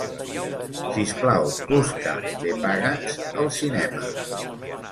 Sisplau, busca The Pagans al cinema.